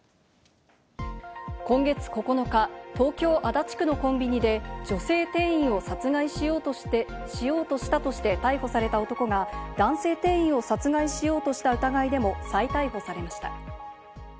今月９日、東京・足立区のコンビニで女性店員を殺害しようとしたとして、逮捕された男が男性店員を殺害しようとした疑いでも再逮捕されました。